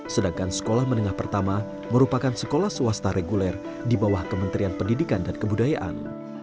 sedangkan sekolah menengah pertama merupakan sekolah swasta reguler di bawah kementerian pendidikan dan kebudayaan